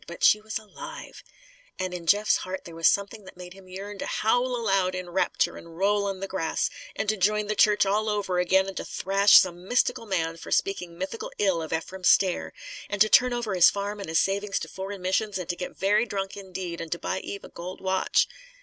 But she was alive. And in Jeff's heart there was something that made him yearn to howl aloud in rapture and roll on the grass, and to join the church all over again, and to thrash some mythical man for speaking mythical ill of Ephraim Stair; and to turn over his farm and his savings to foreign missions, and to get very drunk indeed, and to buy Eve a gold watch.